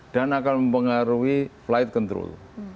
dan akan mempengaruhi flight control